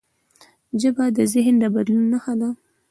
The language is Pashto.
ژبه د ذهن د بدلون نښه ده.